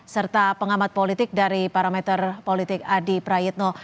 serta pengamat politik dari parameter politik adi prayitno